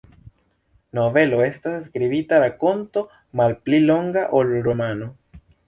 Novelo estas skribita rakonto, malpli longa ol romano.